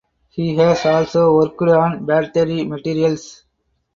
He has also worked on battery materials.